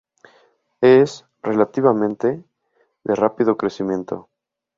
Es, relativamente, de rápido crecimiento.